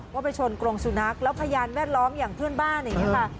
ว่าไปชนกรงสุนัขแล้วพยานแวดล้อมอย่างเพื่อนบ้านอย่างนี้ค่ะ